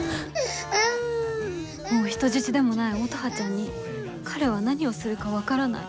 もう人質でもない乙葉ちゃんに彼は何をするか分からない。